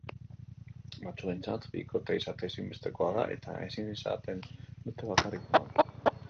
Batzuentzat bikotea izatea ezinbestekoa da eta ezin izaten dute bakarrik egon.